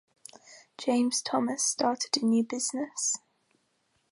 James Thomas started a new business.